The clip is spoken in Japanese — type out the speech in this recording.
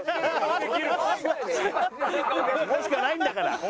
ここしかないんだから。